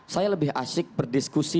saya lebih asik berdiskusi